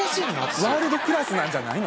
ワールドクラスなんじゃないの？